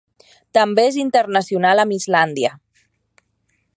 També és internacional amb Islàndia.